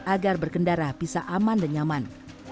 agar berkendara bisa aman dan nyaman